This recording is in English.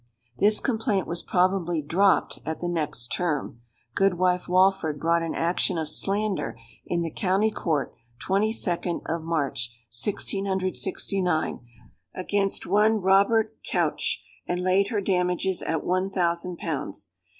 "This complaint was probably dropped at the next term. Goodwife Walford brought an action of slander in the County Court, 22d of March, 1669, against one Robert Coutch, and laid her damages at one thousand pounds.